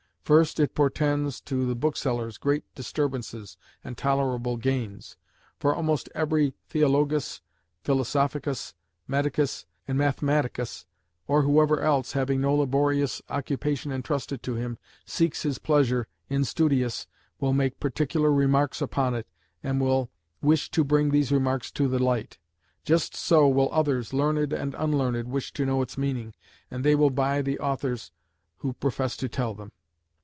First, it portends to the booksellers great disturbances and tolerable gains; for almost every Theologus, Philosophicus, Medicus, and Mathematicus, or whoever else, having no laborious occupation entrusted to him, seeks his pleasure in studiis, will make particular remarks upon it, and will wish to bring these remarks to the light. Just so will others, learned and unlearned, wish to know its meaning, and they will buy the authors who profess to tell them.